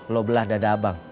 lo belah dada abang